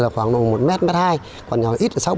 khoảng một m hai còn nhỏ ít